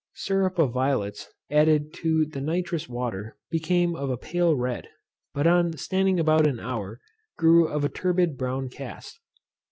Syrup of violets added to the nitrous water became of a pale red, but on standing about an hour, grew of a turbid brown cast.